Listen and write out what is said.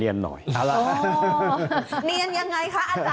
เนียนยังไงคะอาจารย